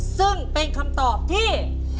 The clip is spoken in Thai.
ซึ่งเป็นคำตอบที่